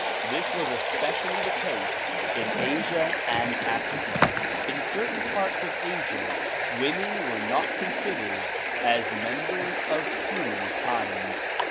This was especially the case in Asia and Africa. In certain parts of Asia women were not con sidered as members of human kind.